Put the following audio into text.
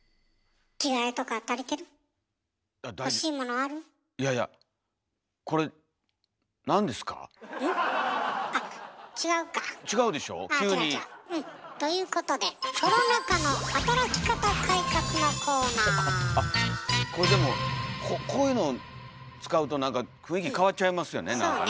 あ違う違ううん。ということでこれでもこういうの使うと雰囲気変わっちゃいますよね何かね。